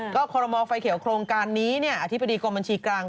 ก็คอรมอไฟเขียวโครงการนี้อธิบดีกรมบัญชีกลาง